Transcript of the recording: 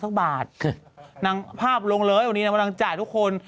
แต่ต่อมายนั่งต่อ